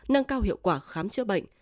nâng cao hiệu quả khám chữa bệnh